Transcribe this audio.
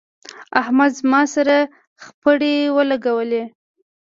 احمد زما سره خپړې ولګولې.